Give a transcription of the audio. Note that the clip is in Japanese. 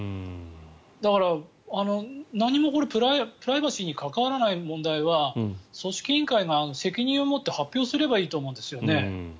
だから、何もプライバシーに関わらない問題は組織委員会が責任を持って発表すればいいと思うんですよね。